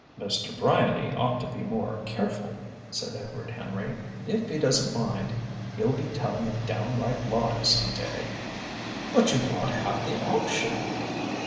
"Mr. Bryany ought to be more careful," said Edward Henry. "If he doesn't mind, he'll be telling a downright lie some day." "But you bought half the option!"